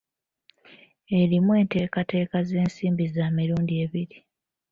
Erimu enteekateeka z'ensimbi za mirundi ebiri.